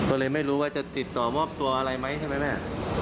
อะไรไหมใช่ไหมแม่